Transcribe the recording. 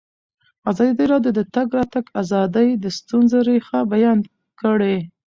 ازادي راډیو د د تګ راتګ ازادي د ستونزو رېښه بیان کړې.